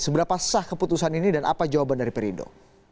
seberapa sah keputusan ini dan apa jawaban dari perindo